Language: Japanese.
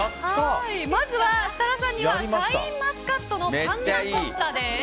まずは設楽さんにはシャインマスカットのパンナ・コッタです。